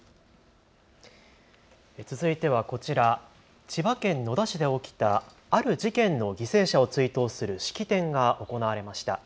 続いてはこちら、千葉県野田市で起きたある事件の犠牲者を追悼する式典が行われました。